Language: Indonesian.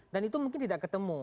dan itu mungkin tidak ketemu